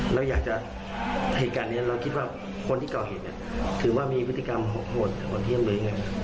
เราอยากจะเห็นการนี้เราคิดว่าคนที่เก่าเห็นคือว่ามีพฤติกรรมโหดโหดเที่ยมหรือยังไง